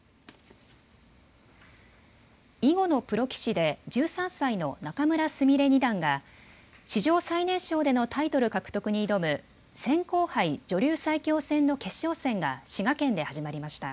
囲碁のプロ棋士で１３歳の仲邑菫二段が史上最年少でのタイトル獲得に挑む扇興杯女流最強戦の決勝戦が滋賀県で始まりました。